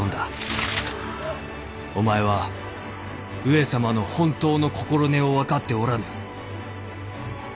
お前は上様の本当の心根を分かっておらぬ。